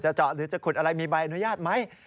เจาะหรือจะขุดอะไรมีใบอนุญาตไหม